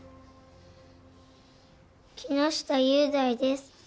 木下雄大です。